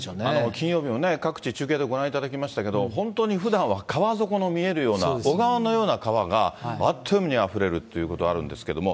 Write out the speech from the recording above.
金曜日も各地、中継でご覧いただきましたけれども、本当にふだんは川底の見えるような小川のような川が、あっという間にあふれるということあるんですけれども。